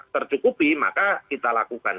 tercukupi maka kita lakukan